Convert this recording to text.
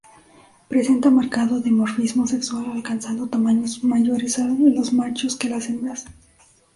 Presenta marcado dimorfismo sexual, alcanzando tamaños mayores los machos que las hembras.